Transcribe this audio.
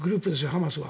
ハマスは。